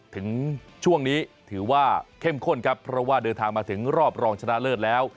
ถึงช่วงนี้ถือว่าเข้มข้นครับเพราะว่าเดินทางมาถึงรอบรองชนะเลิศแล้ว